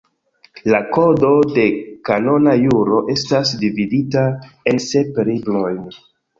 La Kodo de Kanona Juro estas dividita en sep librojn.